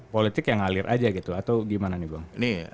politik yang ngalir aja gitu atau gimana nih bang